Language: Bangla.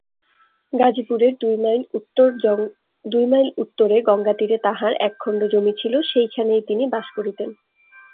গাজিপুরের দুই মাইল উত্তরে গঙ্গাতীরে তাঁহার একখণ্ড জমি ছিল, সেইখানেই তিনি বাস করিতেন।